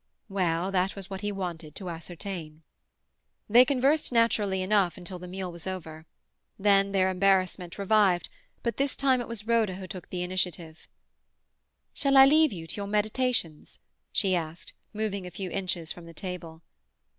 Well, that was what he wanted to ascertain. They conversed naturally enough till the meal was over. Then their embarrassment revived, but this time it was Rhoda who took the initiative. "Shall I leave you to your meditations?" she asked, moving a few inches from the table.